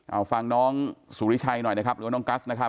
เอาฟังน้องสุริชัยหน่อยนะครับหรือว่าน้องกัสนะครับ